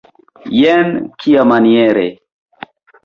Jen kiamaniere!